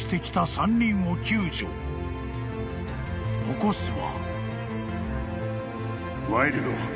［残すは］